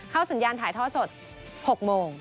เข้าสัญญาณถ่ายทอดสด๖โมง